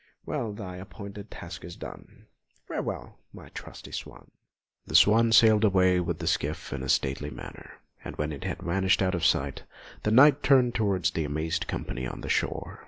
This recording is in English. Well thy appointed task is done; Farewell, my trusty swan!" The swan then sailed away with the skiff in a stately manner, and when it had vanished out of sight, the Knight turned towards the amazed company on the shore.